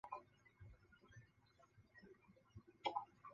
出生于九如乡。